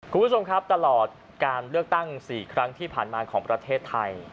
คุณผู้ชมครับตลอดการเลือกตั้ง๔ครั้งที่ผ่านมาของประเทศไทย